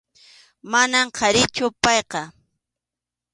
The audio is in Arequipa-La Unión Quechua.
Manam qharichu payqa.